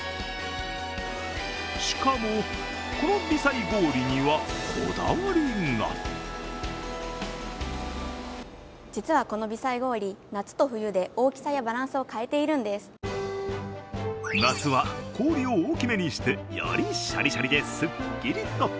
しかも、この微細氷にはこだわりが夏は氷を大きめにして、よりシャリシャリで、すっきりと。